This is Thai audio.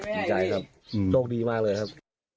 ดีใจครับโชคดีมากเลยครับ